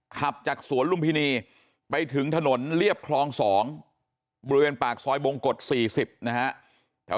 ขับจากสวนลุมพินีไปถึงถนนเรียบคลอง๒บริเวณปากซอยบงกฎ๔๐นะฮะ